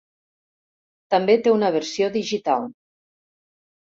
També té una versió digital.